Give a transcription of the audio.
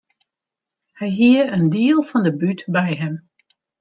Hy hie in diel fan de bút by him.